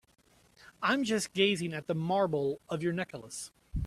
I'm just gazing at the marble of your necklace.